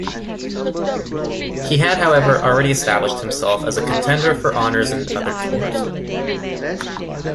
He had, however, already established himself as a contender for honours in other Tours.